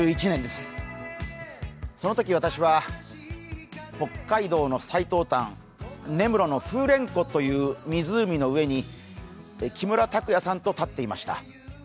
１１年です、そのとき私は北海道の最東端、根室の湖の上に木村拓哉さんと立っていました。